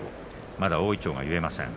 まだ大いちょうが結えません